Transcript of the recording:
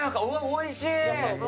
おいしい。